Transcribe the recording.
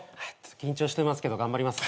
緊張してますけど頑張ります。